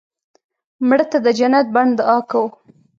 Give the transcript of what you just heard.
مړه ته د جنت بڼ دعا کوو